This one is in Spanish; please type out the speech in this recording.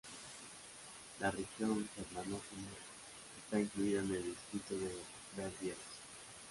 La región germanófona está incluida en el distrito de Verviers.